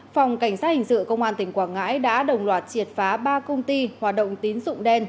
phòng cảnh sát hình sự công an tỉnh quảng ngãi đã đồng loạt triệt phá ba công ty hoạt động tín dụng đen